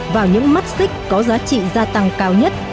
vào những mắt xích có giá trị gia tăng cao nhất